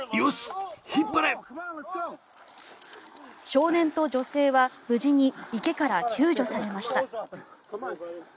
少年と女性は無事に池から救助されました。